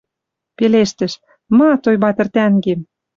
Пелештӹш: «Ма, Тойбатр тӓнгем